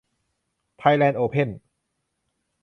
ไทยแลนด์โอเพ่น